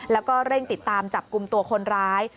แล้วก็เร่งติดตามจับกลุ่มตัวคนร้าย